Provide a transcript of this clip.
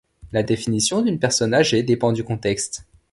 La définition d'une personne âgée dépend du contexte.